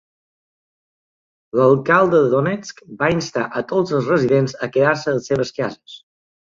L'Alcalde de Donetsk va instar a tots els residents a quedar-se a les seves cases.